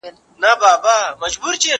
زه له سهاره چپنه پاکوم!؟